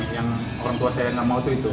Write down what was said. yang orang tua saya enggak mau itu itu